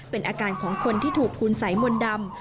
เป็นอาการของคนที่ถูกคุณสัยมนต์ดำ